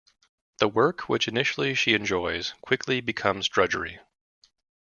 The work, which initially she enjoys, quickly becomes drudgery.